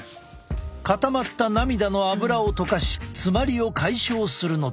固まった涙のアブラを溶かし詰まりを解消するのだ。